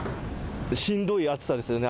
しんどい暑さですよね。